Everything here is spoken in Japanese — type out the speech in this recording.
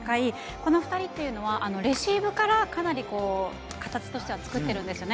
この２人はレシーブからかなり形としては作っているんですよね。